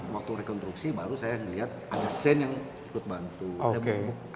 waktu rekonstruksi baru saya melihat ada sen yang ikut bantu